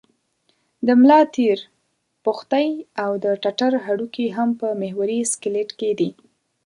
د ملا تیر، پښتۍ او د ټټر هډوکي هم په محوري سکلېټ کې دي.